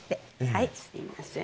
はいすみません。